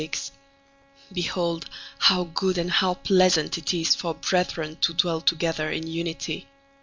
19:133:001 Behold, how good and how pleasant it is for brethren to dwell together in unity!